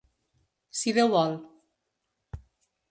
Si Déu vol.